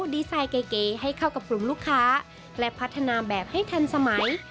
ดีไซน์เก๋ให้เข้ากับกลุ่มลูกค้าและพัฒนาแบบให้ทันสมัย